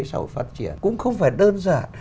sau phát triển cũng không phải đơn giản